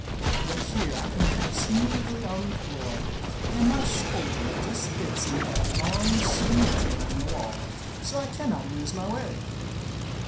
But here I can creep smoothly on the floor, and my shoulder just fits in that long smooch around the wall, so I cannot lose my way.